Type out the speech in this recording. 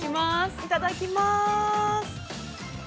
◆いただきます。